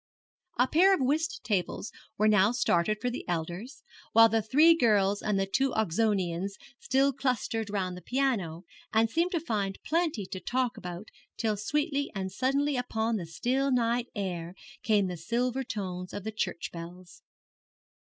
A pair of whist tables were now started for the elders, while the three girls and the two Oxonians still clustered round the piano, and seemed to find plenty to talk about till sweetly and suddenly upon the still night air came the silver tones of the church bells.